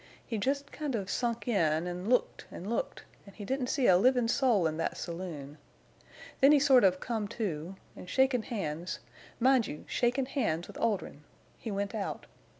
He jest kind of sunk in, an' looked an' looked, an' he didn't see a livin' soul in thet saloon. Then he sort of come to, an' shakin' hands—mind you, shakin' hands with Oldrin'—he went out.